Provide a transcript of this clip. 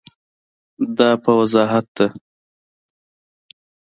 دا په وضاحت ده.